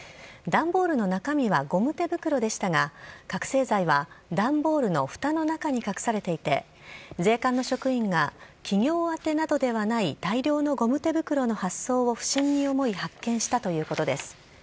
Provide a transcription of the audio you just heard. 段ボールの中身はゴム手袋でしたが覚醒剤は段ボールのふたの中に隠されていて税関の職員が企業宛などではない大量のゴム手袋の発送を不審に思い発見したということです。